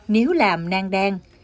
nếu làm nang đen